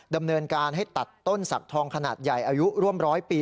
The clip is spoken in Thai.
ดำเนินการให้ตัดต้นสักทองขนาดใหญ่อายุร่วมร้อยปี